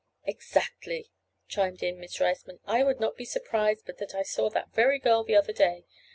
"Exactly!" chimed in Miss Riceman. "I would not be surprised but that I saw that very girl the other day.